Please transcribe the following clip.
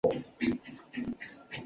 蒙特福尔河畔伊勒维尔。